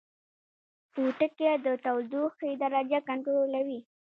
پوټکی د تودوخې درجه کنټرولوي